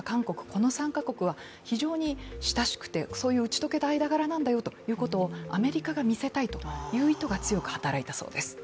この３か国は非常に親しくてそういった打ち解けた間柄なんだよということをアメリカが見せたいという意図が強く働いたそうです。